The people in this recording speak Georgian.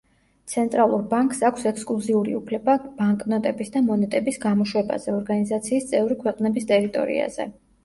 ცენტრალურ ბანკს აქვს ექსკლუზიური უფლება ბანკნოტების და მონეტების გამოშვებაზე ორგანიზაციის წევრი ქვეყნების ტერიტორიაზე.